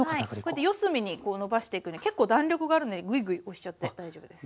こうやって四隅にこうのばしていくんで結構弾力があるのでぐいぐい押しちゃって大丈夫です。